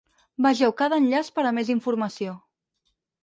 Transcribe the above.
Vegeu cada enllaç per a més informació.